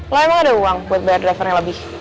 lo emang ada uang buat bayar drivernya lebih